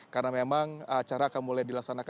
karena memang acara akan mulai dilaksanakan